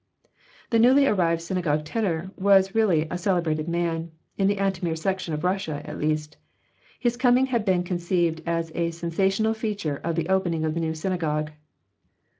The newly arrived synagogue tenor was really a celebrated man, in the Antomir section of Russia, at least. His coming had been conceived as a sensational feature of the opening of the new synagogue.